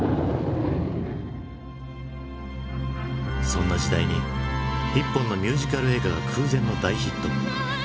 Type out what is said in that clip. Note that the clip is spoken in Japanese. そんな時代に一本のミュージカル映画が空前の大ヒット。